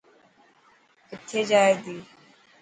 ڪٿي جائي تي.